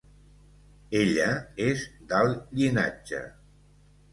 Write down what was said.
Ella és d'alt llinatge.